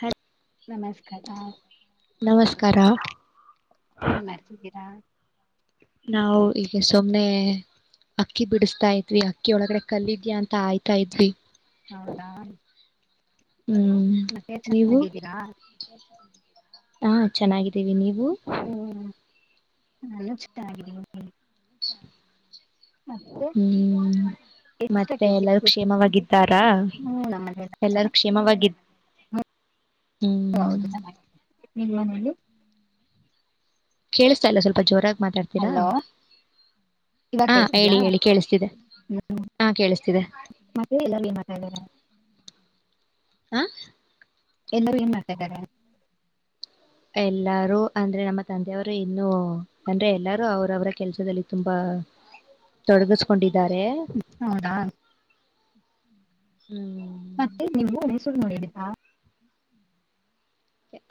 ಹೆಯ್ ನಮಸ್ಕಾರ ಕರ ಏನ್ ಮಾಡ್ತಿದ್ದೀರಾ ನಾವು ಈಗ ಸುಮ್ನೆ ಅಕ್ಕಿ ಬಿಡಿಸತಾ ಇದ್ವಿ ಅಕ್ಕಿ ಒಳಗಡೆ ಕಲ್ಲಿದ್ಯಾ ಅಂತ ಆಯ್ತಾ ಇದ್ವಿ ಹೌದಾ ಹ್ಮ್ ಮತ್ತೆ ನೀವು ಚೆನ್ನಾಗಿದ್ದೀರಾ ಹಾ ಚೆನ್ನಾಗಿತ್ತು ತಿವಿ ನೀವು ನಲ್ಲು ಚಿಟ ಆಗಿದಿವಿ ಹ್ಮ್ ಎಷ್ಟ ಮತ್ತೆ ಕೆ ಜಿ ಎಲ್ಲಾರೂ ಹ್ಮ ಕ್ಷೇಮವಾಗಿದ್ದಾರಾ ನಮ್ಮ ಮನೆಯಲ್ಲ ಎಲ್ಲಾರೂ ಚೆನ್ನಾಗಿದೆ ಕ್ಷೇಮವಾಗಿದ್ದ ಹ್ಮ್ ಹ್ಮ್ ನಿಮ್ಮ ಮನೇಲಿ ಕೇಳಿಸ್ತಾ ಇಲ್ಲ ಸ್ವಲ್ಪ ಜೋರಾಗಿ ಮಾತಾಡ್ತೀರಾ ಹಲೋ ಇವಾಗ ಹಾ ಕೇಳ್ತಿದ್ಯಾ ಹೇಳಿ ಹೇಳಿ ಕೇಳಿಸ್ತಿದೆ ಹ್ಮ್ ಹಾ ಕೇಳಿಸ್ತಿದೆ ಮತ್ತೆ ಎಲ್ಲಾರು ಏನ್ ಮಾಡ್ತಾ ಇದಾರೆ ಹ ಎಲ್ಲರೂ ಏನ್ ಮಾಡ್ತಾ ಇದ್ದಾರೆ ಎಲ್ಲಾರು ಅಂದ್ರೆ ನಮ್ಮ ತಂದೆಯವರು ಇನ್ನುೂ ಅಂದ್ರೆ ಎಲ್ಲಾರು ಅವ್ರ ಅವರ ಕೆಲ್ಸದಲ್ಲಿ ತುಂಬಾ ತೊಡಗಿಸ್ಕೊಂಡಿ ಹೌದಾ ಹು ಮತ್ತೆ ನೀವು ಮೈಸೂರು ನೋಡಿದಿರಾ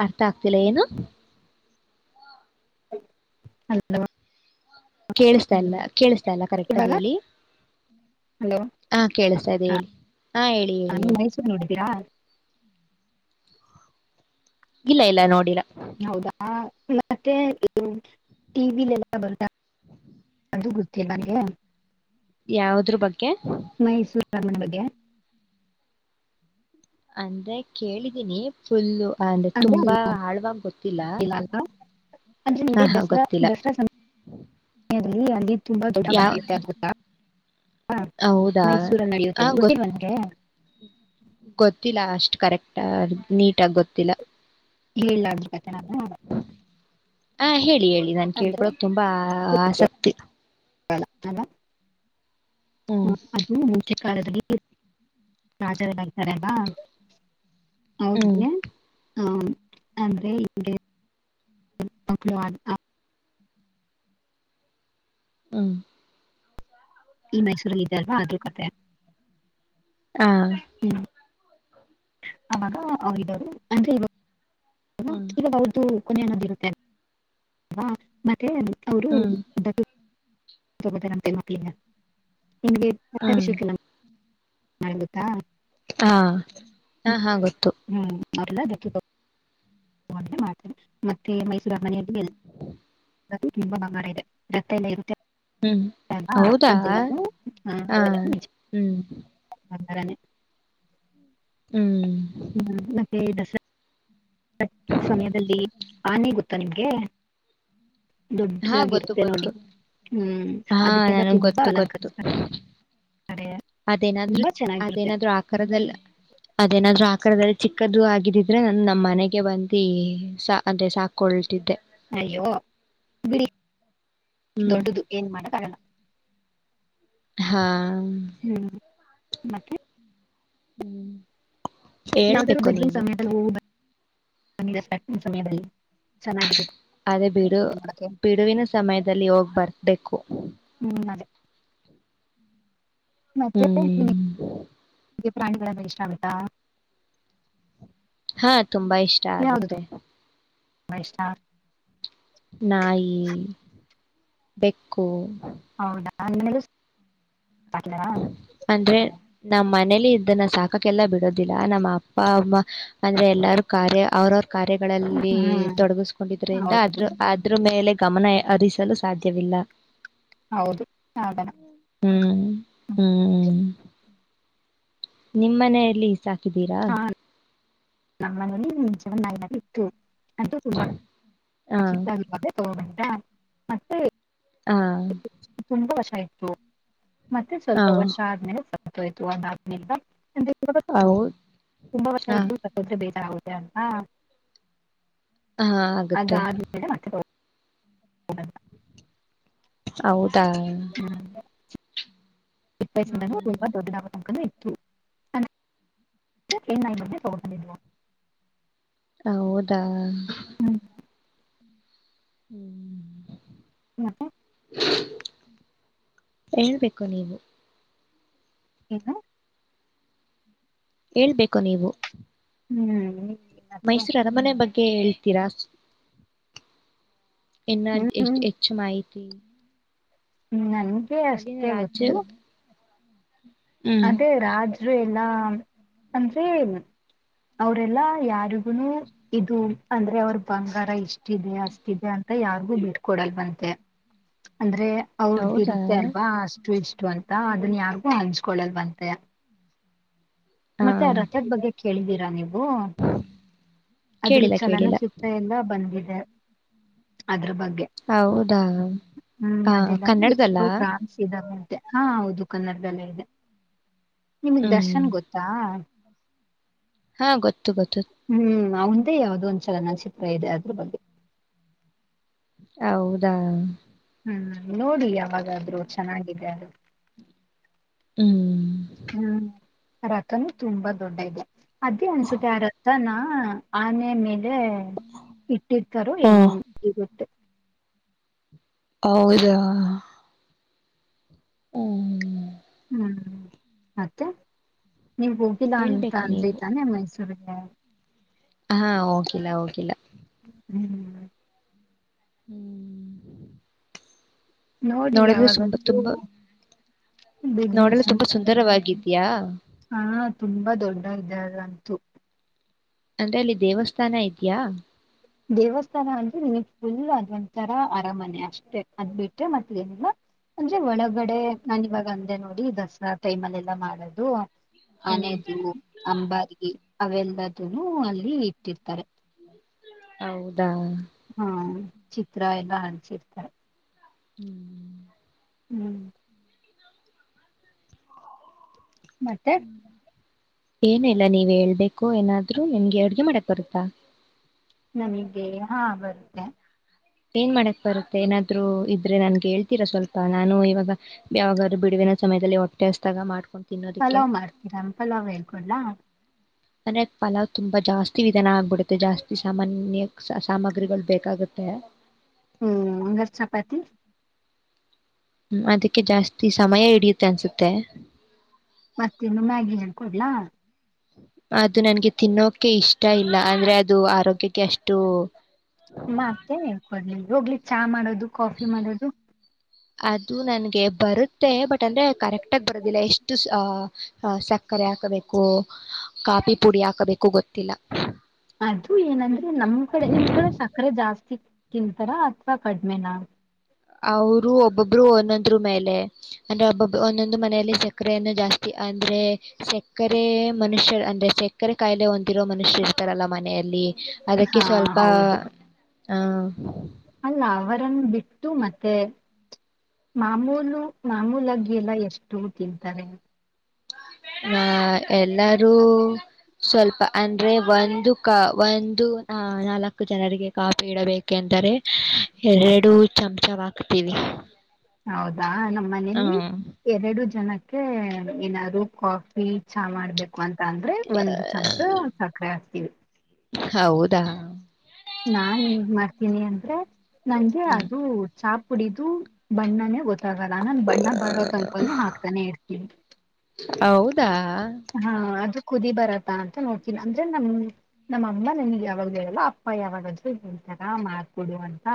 ಅರ್ಥ ಆಗ್ತಿಲ್ಲ ಏನು ಹಲೋ ಕೇಳುಸು ಲ್ಲ ಕೇಳಿಸತಾಲ್ಲ ಕರೆಕ್ಟ್ ಆಗ ಇವಾಗ ಹೇಳಿ ಹ ಕೇಳತ ಸರಿ ಹೇಳಿ ಹಾ ಹೇಳಿ ಹೇಳಿ ನಾನು ಹೇಳಿ ಮೈಸೂರು ನೋಡಿದೀರಾ ಇಲ್ಲ ಇಲ್ಲ ನೋಡಿಲ್ಲ ಹೌದಾ ಮತ್ತೆ ಟಿವಿಲೆಲ್ಲ ಬರ್ತ ಹ ಅದು ಗೊತ್ತಿಲ್ಲ ನಂಗೆ ಯಾವುದ್ರು ಬಗ್ಗೆ ನನ್ನ ಬಗ್ಗೆ ಅಂದ್ರೆ ಕೇಳಿದೀನಿ ಫುಲ್ಲು ಆ ಲೇ ಅಂದ್ರೆ ತುಂಬಾ ಆಳ್ವಾವಾಗಿ ಗೊತ್ತಿಲ್ಲ ಅಲ್ಲ ಅಲ್ವಾ ಅಂದ್ರೆ ನಿಮಗೆ ಹ ಹಾ ಗೊತ್ತಿಲ್ಲ ರಿಅಲ್ಲಿದ ಯ ಹೌದಾ ಮೈಸೂರಲ್ಲಿ ಹ ನಡೆಯುತ್ತೆ ಗೊ ಗೊತ್ತಿಲ್ವಾ ನಿಂಗೆ ಗೊತ್ತಿಲ್ಲ ಅಷ್ಟು ಕರೆಕ್ಟ ನೀಟ್ ನೀಟಾಗಿ ಗೊತ್ತಿಲ್ಲ ಹೇಳಲಾ ಅದರ ಬಗ್ಗೆ ನಾನು ಹಾ ಹೇಳಿ ಹೇಳಿ ಇದನ್ ಕೇಳ್ಕೊಕ್ ತುಂಬಾ ಆಸಕ್ತಿ ಅಲ್ಲ ಅಲ್ವಾ ಹ್ಮ್ ಹ ಅದು ಮುಂಚೆ ಕಾಡಲ್ಲಿ ರಾಜರತ್ತರಲ್ಲ ಹೌದು ಹ್ಮ್ ಬೆ ಹ ಆದ್ರೆ ಹಿಂಗೇ ಇವಾಗ್ಲೂ ಹ ಈ ಮೈಸೂರಿಲ್ಲಿ ಇದ್ದಲ್ವಾ ಅದೂ ಕತೆ ಹಾ ಅವಾಗರು ಅಂದ್ರೆ ಹ್ಮ್ ಇ [inaudible] [inaudible] ಮತ್ತೆ ಅದು ಅವರು ಹ್ಮ್ ತಗದರಂಂತೆ ಮಪಲಿನಾ. ನಿಗೆ ಹ್ಮ್ ಮತ್ತಭಿಷಕಲಂ. ಆಗತ್ತಾ ಹಾ ಹಾ ಹಾ ಗೊತ್ತು ಮಲ್ಲ ಮಾಡ್ತಾರೆ ಮತ್ತೆ ಮೈಸೂ [inaudible] ತುಂಬಾ ಬಾರ ಇದೆ ರಕ್ ಎಲ್ಲ ಇರುತ್ತೆ ಹ್ಮ್ ಅಲ್ವಾ ಹೌದಾ ಅದೆಲ್ಲವೂ ಹಾ ಹ್ಮ್. ಅನೆೆ. ಹ್ಮ್ ಹ್ಮ ಎ ದಸರ ಸಮಯದಲ್ಲಿ ಆನೆ ಗೊತ್ತ ಗತ್ತ ನಿಮ್ಗೆ ಹಾ ಗೊತ್ತು ದೊಡ್ಡಾಗಿರುತ್ತೆ ನೋಡಿ ಗೊತ್ತು ಹ್ಮ್ ಹಾ ಅದಕ್ಕೆಲ್ಲ ನನಗ್ ತುಂಬಾ ಗೊತ್ತು ಗೊತ್ತು ಅಲಂಕರಿಸ್ತ. ಅದೇನಾದ್ರು ಅದೇನಾದ್ರು ಆಕಾರದಲ್ಲ ಅದೇನಾದ್ರು. ಆ ಕದಲ್ಲಿ ಚಿಕ್ಕದದು ಆಗಿದಿದ್ರೆ ನಾನ ನಮ್ಮ್ ಮನೆಗೆ ಬಂದು ಅದೇ ಸಾಕೊಳ್ತಿದ್ದೆ ಅಯ್ಯೋ ಬಿ. ದೊಡ್ಡದು ಏನ್ ಮಾಡ ಬರೋಣ ಹಾ. ಹ್ಮ್ ಮತ್ತೆ ಹ್ಮ್ ಯಾವ್ದರೂ ಹೇಳ್ಬೇಕು ಬಿರ್ಂಗನ್ ನೀವು ಸಮಯದಲ್ಲಿ ಹೋಗುವ ಬ. ಸಮ ಸಮೀ ಬ. ಅದೇ ಬಿಡು ನೋಡಕ್ಕೆ ಬಿಡುವಿನ ಸಮಯದಲ್ಲಿ ಹೋಗ್ ಬರ್ಬೇಕು ಹ್ಮ್ ಅದೇ ಮತ್ತೆ ಹ್ಮ್ ನಿಗೆ ಪ್ರಾಣಿಗಳೆಲ್ಲ ಇಷ್ಟ ಆಗುತ್ತಾ ಹಾ ತುಂಬಾ ಇಷ್ಟ ಆಗುತ್ತೆ ೈ ಸ್ಟಾರ್ ನಾಯಿ ಬೆಕ್ಕು ಹೌದಾ ನನಗೆ ಅಟ್ಲವಾ ಅಂದ್ರೆ ನಮ್ಮ್ ಮನೇಲಿ ಇದನ್ನ ಸಾಕಕ್ಕೆಲ್ಲಾ ಬಿಡೋದಿಲ್ಲ ನಮ್ಮ ಅಪ್ಪ ಅಮ್ಮ ಅಂದ್ರೆ ಎಲ್ಲಾರ ಕಾರ್ಯ ಅವ್ರವ್ರ ಕಾರ್ಯಗಳಲ್ಲಿ ಹ್ಮ್ ತೊಡಗಿಸ್ಕೊಂಡಿದ್ರಿಂದ ಹೌದು ಆದ್ರ ಅ ಮೇಲೆ ಗಮನ ಹರಿಸಲು ಸಾಧ್ಯವಿಲ್ಲ ಹೌದು ಹಾಗಣ ಹ್ಮ್ ಹ್ಮ್್ಮ ನಿಮ್ಮ್ ಮನೆಯಲ್ಲಿ ಸಾಕು ಹಕಿದ್ದೀರಾ ಹಾ ನಮ್ಮ ನಿ ನ ಬಿು ಅಂತು ತುಂಬ ಹ ಚಿತ ತ ಹ ಮತ್ತೆ ಹಾ ಸ ಮತ್ತೆ ಸ್ವಲ್ಪ ವರ್ಷ ಆದ್ಮೇಲೆ ಸ್ ತು ಅದ ನಿ ಹೌದ ತುಂಬ ವರ್ಷ ಹ ಹಬ ದ ಹಾ ಆಗುತ್ತೆ ಹ ಹೌದು ಹಾ ಇಪ್ಪಾಯ ಒಾ ದೊಡ್ಡ ತಕೊಂಡ ಮಂದೆ ತಗೊಂಡೊಂಡಿ ಹೌದಾ ಹ್ಮ ಹ್ಮ್ ಹಕೆ ಹೇಳ್ಬೇಕು ನೀವು ಏನು ಹೇಳ್ಬೇಕು ನೀವು ಹ್ಮ್ ಮತ್ತೆ ಮೈಸೂರ ಅರ ಮನೆ ಬನ್ ಗೆ ಹೇಳ್ತೀರಾ ಇನ್ನ ಎಷ್ಟ ಹೆಚ್ಚು ಮಾಹಿ ತಿ ಹ್ಮ್ [unintelligible] ಕೆ ಅಷ್ಟೇ ರಾಜ್ಯ ಗೊತ್ತು ಹ್ಮ್ ಅದೇ ರಾಜ್ ಅಂದ್ರೆ ಯಲ್ಲ ಅಂದ್ರೆ ಅವರೆಲ್ಲಾ ಯಾರಿಗುನು ಇದು ಅಂದ್ರೆ ಅವ್ರ್ ಬಂಗಾರ ಇಷ್ಟ ಇಿದೆ ಅಷ್ಟಿದೆ ಅಂತ ಯಾರಿಗೂ ಬಿಟ್ಕೊಡಲ್ ವಂತೆ ಅಂದ್ರೆ ಅವ್ರದ್ದು ಹೌದಾ ಇರುತ್ತೆ ಅಲ್ವಾ ಅಷ್ಟು ಇಷ್ಟು ಅಂತ್ ಾ ಅದನ್ ಯಾರ್ಗೂ ಕೊಳ್ಳಲ್ವಂತೆ ಹಾ ಮತ್ತೆ ಆ ರಥದ್ ಬಗ್ಗೆ ಕೇಳಿದ್ದಿ ರ ನೀವ್ ವು ಅಂದ್ರು ಕೇಳಿಲ್ಲ ಚಲನ ಕೇಳಿಲ್ಲ ಚಿತ್ರ ಎಲ್ಲ ಬಂದಿದ್ವು ಅದ್ರ ಬಗ್ಗೆ ಹೌದಾ ಹ್ಮ್ ಹ ಕನ್ನಡದಲ್ಲ ದ್ ಹಾ ಹೌದು ಕನ್ನಡದೆಲ್ಲೆ ಇದೆ ನಿಮಗ್ ಹ್ಮ್ ದರ್ಶನ್ ಗೊತ್ ಹಾ ಹಾ ಗೊತ್ ತ್ತುಗತ್ತು [inaudible] ಯಾವವು್ದೋ ಒಂದ್ ಚಲನಚಿತ್ರ ಇದೆ ಅದ್ರ ಬಗ್ಗೆ ಹೌದಾ ಹ್ಮ್ ನೋಡಿಯಾವ್ ಯಾವದಾದ್ರು ಚೆನ್ನಾಗಿದೆ ಅದು ಹ್ಮ್ ಹ್ಮ್ ರಥನ್ ತುಂಬಾ ದೊಡ್ಡ ಇದೆ ಅದೇ ಅನ್ಸುತ್ತೆ ಆ ರಥನ ಆನೆೆಯ ಮೇಲೆ ಇಟ್ಟಿರ್ತಾರೋ ಹಾ ಏನೋ [inaudible] ಹೌದಾ ಹ್ಮ್ ಹ್ಮ್ ಮತ್ತೆ ನೀವ ಹೋಗಿಲ್ಲಾ ಅಂತ ಹೇಳ್ಬೇಕು ಅಂದ್ರಿ ನೀವು ತಾನೆ ಮೈಸೂರಿಗೆ ಹಾ ಹೋಗಿಲ್ಲ ಹೋಗಿಲ್ಲ ಹ್ಮ್ ಹ್ಮ್ ನೋಡಿ ನೋಡಲು [inaudible] ಯಾವಾಗಾದ್ರೂ ಬಿಡುವಿನ ಸಮಯದಲ್ಲಿ. ಹಾ ತುಂಬಾ ದೊಡ್ಡ ಇದರಲೂ ಅಂತು ಅಂದ್ರೆ ಅಲ್ಲಿ ದೇವಸ್ಥಾನ ಇದ್ಯಾ ದೇವಸ್ಥಾನ ಅಂದ್ರೆ ನಿಮಗ್ ಫುಲ್ ಅದ ಒಂತರ ಅರಮನೆ ಅಷ್ಟೇ ಅದ್ ಬಿಟ್ರೆ ಮತ್ತ ಏನಿಲ್ಲ ಅಂದ್ರೆ ಒಳಗಡೆ ನಾನ ಇವಾಗ ಅಂದೆ ನೋಡಿ ದಸರಾ ಟೈಮಲ್ಲ ಎಲ್ಲಾ ಮಾಡೋದು ಹ್ಮ್ ಆನೇದು ಅಂಬಾರಿಗೆ ಅವೆಲ್ಲದ ಅಲ್ಲಿ ಇಟ್ಟಿರ್ತಾರೆ ಹೌದು ಹಾ ಹಾ ಚಿತ್ರ ಎಲ್ಲ ಅಂಟಿಸಿರುತ್ತಾರೆ ಹ್ಮ್ ಹ್ಮ್ ಮತ್ತೆ ಹ್ಮ್ ಏನ ಇಲ್ಲ ನೀವ ಹೇಳ್ಬೇಕು ಏನಾದ್ರರು ನಿಮ್ಗೆ ಅಡ್ಗೆ ಮಾಡಕ್ ಬರುತ್ತಾ ನನಗೆ ಹಾ ಬರುತ್ತೆ ಏನ್ಮಾಡಕ್ ಬರುತ್ತೆ ಏನಾದ್ರು ಇದ್ರೆ ನನ್ಗೆ ಹೇಳ್ತೀರಾ ಸ್ವಲ್ಪ ನಾನು ಇವಾಗ ಯಾವಾಗಾದ್ರು ಬಿಡುವಿನ ಸಮಯದಲ್ಲಿ ಹೊಟ್ಟೆಹಸ್ದಾಗ ಮಾಡ್ಕೊಂಡ ಪಲಾವ್ ಮಾಡ್ತೀರಾ ಪಲಾವ್ ಹೇಳ್ ಕೊಡ್ಲಾ ಅಂದ್ರೆ ಪಲಾವ್ ತುಂಬಾ ಜಾಸ್ತಿ ವಿಧಾನ ಆಗ್ಬಿಡುತ್ತೆ ಜಾಸ್ತಿ ಸಾಮಾನ್ಯ ಸಾಮಗ್ರಿಗಳು ಬೇಕಾಗುತ್ತೆ ಹ್ಮ್ ಅಂಗಾರ ಚಪಾತಿ ಹ್ಮ್ ಅದಕ್ಕೆ ಜಾಸ್ತಿ ಸಮಯ ಹಿಡಿಯುತ್ತೆ ಅನ್ಸುತ್ತೆ ಮತ್ತೆನ್ನು ಮ್ಯಾಗಿ ಕೊಡ್ಲ ಅದು ನನ್ಗೆ ತಿನ್ನೋಕೆ ಇಷ್ಟ ಇಲ್ಲ ಅಂದ್ರೆ ಅದು ಆರೋಗ್ಯಕ್ಕೆ ಅಷ್ಟು ಮತ್ತೆ ಹೇಳ್ಕೊದ್ಲಿ ಹೋಗ್ಲಿ ಚಾ ಮಾಡೋದು ಕಾಫಿ ಮಾಡೋದು ಅದು ನನ್ಗೆ ಬರುತ್ತೆ ಬಟ್ ಅಂದ್ರೆ ಕರೆಕ್ಟ್ ಆಗಿ ಬರೋದಿಲ್ಲ ಎಷ್ಟು ಸಕ್ಕರೆ ಹಾಕಬೇಕು ಕಾಫಿ ಪುಡಿ ಹಾಕಬೇಕು ಗೊತ್ತಿಲ್ಲ ಅದು ಏನಂದ್ರೆ ನಮ್ ಕಡೆ ನಿಮ್ ಕಡೆ ಸಕ್ಕರೆ ಜಾಸ್ತಿ ಸಿಕ್ [unintelligible] [unintelligible] ತಿಂತಾರ ಅಥವ ಕಡುಲೆನ ಅವರು ಒಬ್ಬೊಬ್ರು ಒಂದೊಂದ್ರ ಮೇಲೆ ಅಂದ್ರೆ ಒಬ್ಬೊಬ್ ಒಂದೊಂದು ಮನೆಯಲ್ಲಿ ಸಕ್ಕರೆಯನ್ನು ಜಾಸ್ತಿ ಅಂದ್ರೆ ಸಕ್ಕರೆ ಮನುಷ್ಯ ಅಂದ್ರೆ ಸಕ್ಕರೆ ಕಾಯಿಲೆ ಹೊಂದಿರೋ ಮನುಷ್ಯರು ಇರ್ತಾರಲ್ಲ ಮನೆಯಲ್ಲಿ ಇಲ್ಲಿ ಅದಕ್ಕೆ ಹಾ ಸ್ವಲ್ಪ ಹೌದು ಹಾ ಅಲ್ಲ ಅವರನ್ನು ಬಿಟ್ಟು ಮತ್ತೆ ಮಾಮೂಲು ಮಾಮೂಲಗೆಲ್ಲ ಎಷ್ಟು ತಿಂತಾರೆ [unintelligible] [unintelligible] ಎ ಲ್ಲರೂ ಸ್ವಲ್ಪ ಅಂದ್ರೆ ಒಂದು ಕ ಒಂದು ನಾಲ್ಕು ಜನರಿಗೆ ಕಾಫಿ ಇಡಬೇಕೆಂದರೆ ಎರಡು ಚಮಚ ಹಾಕ್ತೀವಿ ಹೌದಾ ನಮ್ಮ ಮನೆಲಿ ಎರಡು ಜನ ಏನಾದ್ರು ಕಾಫಿ ಚಾ ಮಾಡ್ಬೇಕು ಅಂತ ಅಂದ್ರೆ ಒಂದುಚಮಚ ಸಕ್ಕರೆ ಹಾಕ್ತೀವಿ ಹೌದಾ ನಾನ್ ಈಗ್ ಮಾಡ್ತೀನಿ ಅಂದ್ರೆ ನಂಗೆ ಹ್ಮ್ ಅದು ಚಾಪ್ ಕುಡಿದು ಬಣ್ಣನೇ ಒ ಗೊತ್ತಾಗಲ್ಲ ನಾನು ಬಣ್ಣ ಬರೋ ತನ್ಕನು ಹಾಕ್ತಾನೆ ಇರ್ತೀನಿ ಹೌದಾ ಹಾ ಅದು ಕುದಿ ಬರತ್ ಅಂತ ನೋಡ್ತೀನಿ ಅಂದ್ರೆ ನಮ್ ನಮ್ಮ ಅಮ್ಮ ನಮಗ್ ಯಾವಾಗೂ ಹೇಳಲ್ಲ ಅಪ್ಪ ಯಾವಾಗಾದ್ರೂ ಹೇಳ್ತಾರ ಮಾಡ್ಕೊಡು ಅಂತ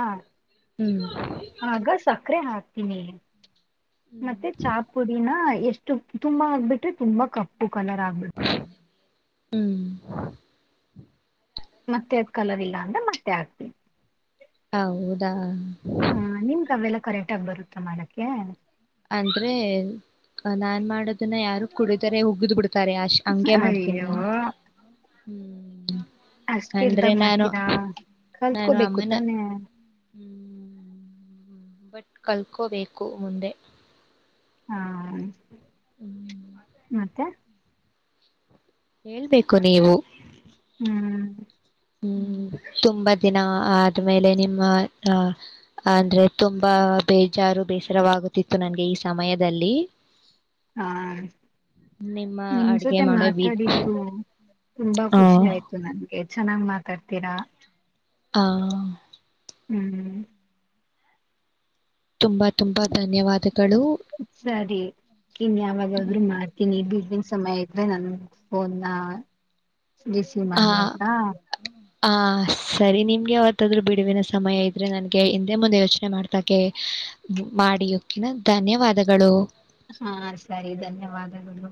ಹ್ಮ್ [unintelligible] ಆಗ ಸಕ್ಕರೆ ಹಾಕ್ತೀನಿ ಮತ್ತೆ ಚಾ ಪುಡಿನ ಆ ಎಷ್ಟು ತುಂಬಾ ಆಗ್ಬಿಟ್ರೆ ತುಂಬಾ ಕಪ್ಪು ಕಲರ್ ಆಗ್ಬು ಹ್ಮ್ ಮತ್ತೆ ಅದ್ ಕಲರ್ ಇಲ್ಲ ಅಂದ್ರೆ ಮತ್ತೆ ಹಾಕ್ತೀನಿ ಹೌದಾ ಹ ನಿಮ್ಗ ಅವೆಲ್ಲ ಕರೆಕ್ಟ್ ಆಗಿ ಬರುತ್ತಾ ಮಾಡಕ್ಕೆ ಅಂದ್ರೆ ನಾನ್ ಮಾಡೋದನ್ನ ಯಾರು ಕುಡಿದರೆ ಉಗಿದ್ ಬಿಡ್ತಾರೆ ಅಷ್ಟ್ ಹಂಗೆ ಮಾಡ್ತೀನಿ ಅಯ್ಯೋ ನಾನು ಹ್ಮ್ ಅಷ್ಟ ಅಂದ್ರೆ ಕೆಡ್ದಾಗ ನಾನು ಮಾಡ್ತೀರಾ ನಾನು ಕಲ್ತ್ಕೋಬೇಕು ಅಮ್ಮನ ತಾನೆ ಹ್ಮ್ ಬಟ್ ಕಲ್ಕೋಬೇಕು ಮುಂದೆ ಹಾ ಹ್ಮ್ ಮತ್ತೆ ಹೇಳ್ಬೇಕು ನೀವು ಹ್ಮ್ [unintelligible] ಹ್ಮ್ ತುಂಬಾ ದಿನ ಆದ್ಮೇಲೆ ನಿಮ್ಮ ಅಹ ಅಂದ್ರೆ ತುಂಬಾ ಬೇಜಾರು ಬೇಸರವಾಗುತ್ತಿತ್ತು ನಂಗೆ ಈ ಸಮಯದಲ್ಲಿ ಹಾ ನಿಮ್ಮ ನಿಮ್ ಅಡ್ಗೆ ಜೊತೆ ಮಾಡೋ ವಿ ಮಾತಾಡಿದ್ದು ತುಂಬಾ ಹ ಖುಷಿ ಆಯ್ತು ನನ್ಗೆ ಚೆನ್ನಾಗ್ ಮಾತಾಡ್ತೀರಾ ಹ ಹ್ಮ್ ತುಂಬಾ ತುಂಬಾ ಧನ್ಯವಾದಗಳು ಸರಿ ಇನ್ ಯಾವಾಗಾದ್ರರು ಮಾಡ್ತೀನಿ ಬಿ ಸಮಯ ಇದೆ ನನ್ ಫೋನ್ ರಿಸೀವ್ ಮಾಡಿ ಹ ಆಯ್ತ ಹ ಸರಿ ನಿಮ್ಗೆ ಅವಾವತ್ತಾದ್ೂ ಬಿಡುವಿನ ಸಮಯ ಇದ್ರೆ ನನ್ಗೆ ಹಿಂದೆ ಮುಂದೆ ಯೋಚನೆ ಮಾಡ್ತಗೇ ಮಾಡಿ ಓ ಕೆ ನಾ ಧನ್ಯವಾದಗಳು. ಹಾ ಸರಿ ಧನ್ಯವಾದಗಳು